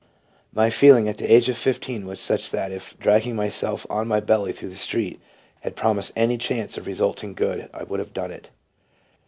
..'' My feeling [at the age of fifteen] was such that if dragging myself on my belly through the street had promised any chance of resulting in good, I would have done it.".